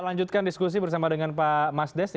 lanjutkan diskusi bersama dengan pak mas desi